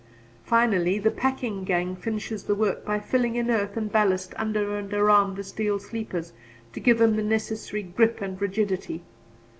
Finally, the packing gang finishes the work by filling in earth and ballast under and around the steel sleepers to give them the necessary grip and rigidity.